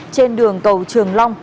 trên đường cầu trường